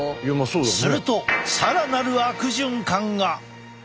するとさらなる悪循環が！